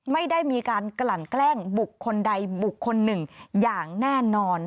ไม่ได้มีการกลั่นแกล้งบุคคลใดบุคคลหนึ่งอย่างแน่นอน